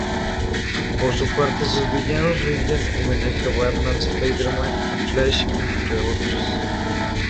Por su parte, sus villanos rinden homenaje a Batman, Spider-Man y Flash, entre otros.